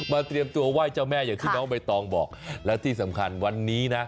เตรียมตัวไหว้เจ้าแม่อย่างที่น้องใบตองบอกและที่สำคัญวันนี้นะ